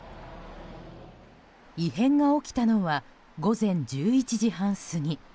異変が起きたのは午前１１時半過ぎ。